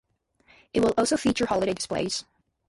It will also feature holiday displays.